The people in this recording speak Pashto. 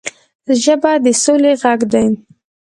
ژبه د سولې غږ دی